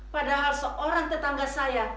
padahal seorang tetangga saya